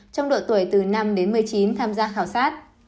trong độ tuổi từ năm đến một mươi chín tham gia khảo sát